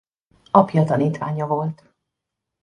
Apja tanítványa volt.